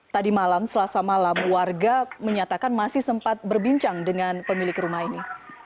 tadi malam selasa malam warga menyatakan masih sempat berbincang dengan pemilik rumah ini